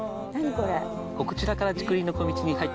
これ。